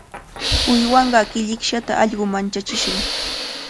Uywanqaa killikshata allqu manchachishqa.